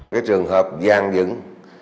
cái trường hợp giàn dựng